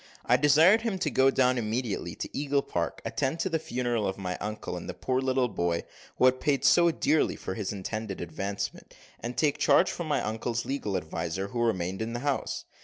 I desired him to go down immediately to Eagle Park, attend to the funeral of my uncle, and the poor little boy who had paid so dearly for his intended advancement, and take charge from my uncle's legal adviser, who remained in the house.